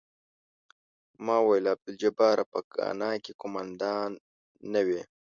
ما ویل عبدالجباره په ګانا کې قوماندان نه وې.